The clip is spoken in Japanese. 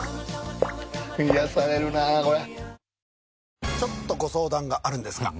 癒やされるなこれ。